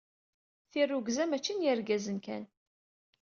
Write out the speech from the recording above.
Tirrugza, mačči n yergazen kan.